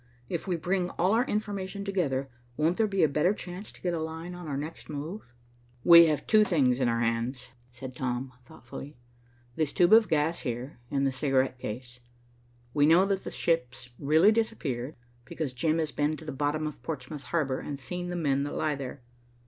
If we bring all our information together, won't there be a better chance to get a line on our next move?" "We have two things in our hands," said Tom thoughtfully. "This tube of gas here and the cigarette case. We know that the ships really disappeared, because Jim has been to the bottom of Portsmouth Harbor and seen the men that lie there.